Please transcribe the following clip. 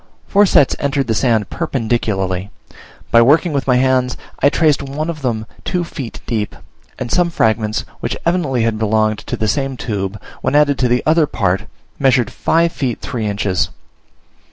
Four sets entered the sand perpendicularly: by working with my hands I traced one of them two feet deep; and some fragments which evidently had belonged to the same tube, when added to the other part, measured five feet three inches.